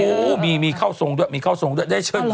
โอ้โหมีข้าวทรงด้วยมีข้าวทรงด้วย